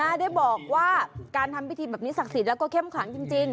ได้บอกว่าการทำพิธีแบบนี้ศักดิ์สิทธิ์แล้วก็เข้มขังจริง